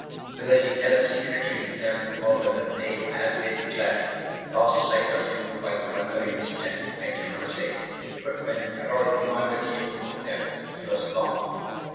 Whether he dealt secretly with them, or whether they, as they declared, lost sight of him whilst plundering his tent, I cannot say; but when Harald demanded him of them, he was gone."